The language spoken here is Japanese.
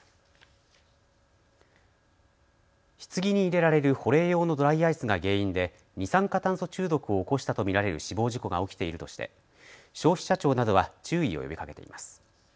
ひつぎに入れられる保冷用のドライアイスが原因で二酸化炭素中毒を起こしたと見られる死亡事故が起きているとして消費者庁などは注意を呼びかけています。